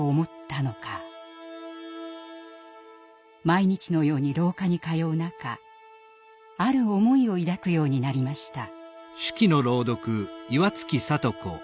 毎日のように廊下に通う中ある思いを抱くようになりました。